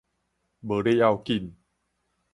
無咧要緊